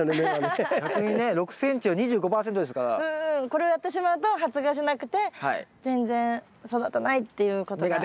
これをやってしまうと発芽しなくて全然育たないっていうことが。